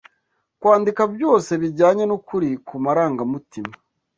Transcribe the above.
Kwandika byose bijyanye nukuri kumarangamutima